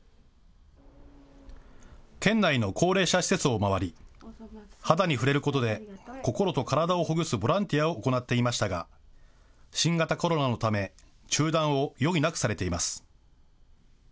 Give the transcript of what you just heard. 県内の高齢者施設を回り、肌に触れることで心と体をほぐすボランティアを行っていましたが新型コロナのため中断を余儀なくされています。